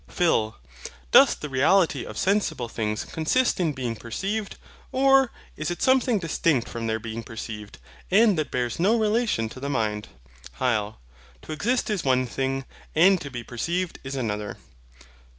PHIL. Doth the REALITY of sensible things consist in being perceived? or, is it something distinct from their being perceived, and that bears no relation to the mind? HYL. To EXIST is one thing, and to be PERCEIVED is another.